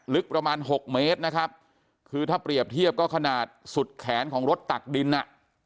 ลึกประมาณหกเมตรนะครับคือถ้าเปรียบเทียบก็ขนาดสุดแขนของรถตักดินอ่ะ